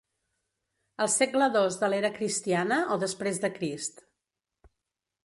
El segle dos de l'era cristiana o després de Crist.